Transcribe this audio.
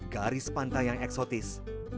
garis pantai yang eksotis